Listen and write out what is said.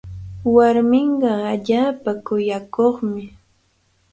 Warminqa allaapa kuyakuqmi.